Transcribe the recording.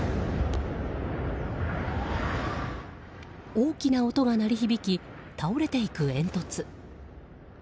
大きな音が鳴り響き倒れていく煙突。